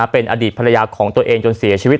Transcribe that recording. เป็นอดีตภรรยาของตัวเองจนเสียชีวิต